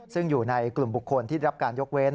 ซึ่งอยู่ในกลุ่มบุคคลที่รับการยกเว้น